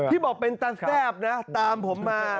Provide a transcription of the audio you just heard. ที่บอกเป็นตัดแทรกนะตามผมมา